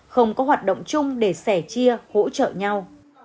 không có hoạt động chung để sẻ chia hỗ trợ nhau